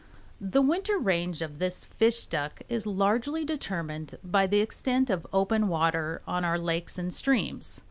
The winter range of this "fish duck" is largely determined by the extent of open water on our lakes and streams.